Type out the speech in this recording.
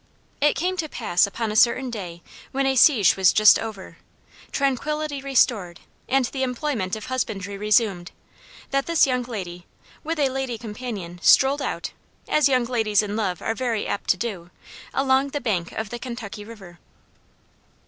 It came to pass upon a certain day when a siege was just over, tranquillity restored, and the employment of husbandry resumed, that this young lady, with a lady companion, strolled out, as young ladies in love are very apt to do, along the bank of the Kentucky River.